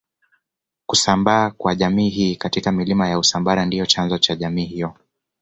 kusambaa kwa jamii hii katika milima ya usambara ndio chanzo cha jamii hiyo